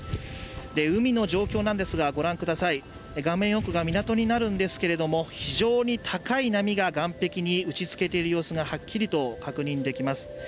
海の状況なんですが、画面奥が港になるんですけれども、非常に高い波が岩壁に打ちつけている様子がはっきり確認できます。